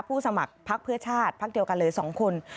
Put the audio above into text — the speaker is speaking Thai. สมัครพักเพื่อชาติพักเดียวกันเลย๒คน